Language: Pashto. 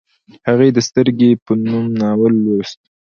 هغې د سترګې په نوم ناول لوست